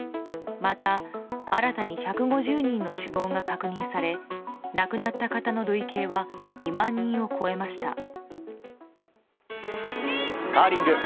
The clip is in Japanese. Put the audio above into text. また、新たに１５０人の死亡が確認され亡くなった方の累計は２万人を超えました。